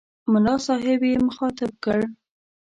ملا صاحب یې مخاطب کړ.